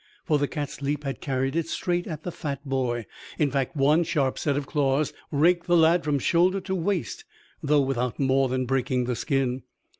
For the cat's leap had carried it straight at the fat boy. In fact one sharp set of claws raked the lad from shoulder to waist, though without more than breaking the skin.